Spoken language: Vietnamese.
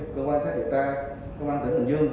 công an sát điều tra công an tỉnh bình dương